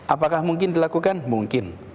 apakah mungkin dilakukan mungkin